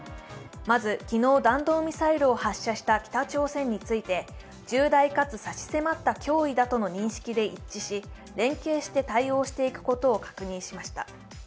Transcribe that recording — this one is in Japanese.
まず、昨日、弾道ミサイルを発射した北朝鮮について、重大かつ差し迫った脅威だとの認識で一致し、連携して対応していくことを確認しました。